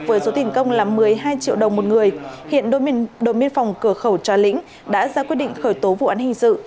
với số tiền công là một mươi hai triệu đồng một người hiện đồn biên phòng cửa khẩu trà lĩnh đã ra quyết định khởi tố vụ án hình sự